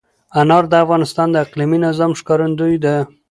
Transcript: انار د افغانستان د اقلیمي نظام ښکارندوی ده.